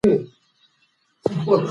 راځئ چې د ده قدر وکړو.